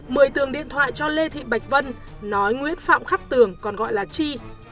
mười tường điện thoại cho lê thị bạch vân nói nguyễn phạm khắc tường còn gọi là chi